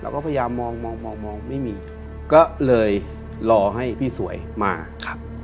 ก็พยายามมองมองไม่มีก็เลยรอให้พี่สวยมาครับ